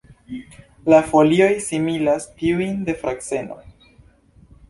La folioj similas tiujn de frakseno.